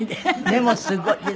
でもすごい。